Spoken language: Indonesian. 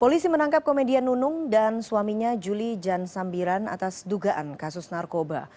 polisi menangkap komedian nunung dan suaminya juli jan sambiran atas dugaan kasus narkoba